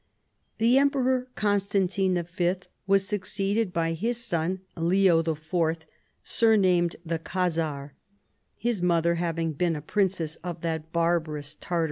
* The Emperor Constantine Y. was succeeded by his son Leo IV., surnamed the Khazar, his mother having been a princess of that barbarous Tartar * See p.